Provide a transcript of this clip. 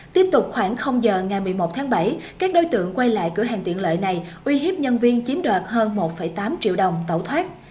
tiếp tục khoảng giờ ngày một mươi một tháng bảy các đối tượng quay lại cửa hàng tiện lợi này uy hiếp nhân viên chiếm đoạt hơn một tám triệu đồng tẩu thoát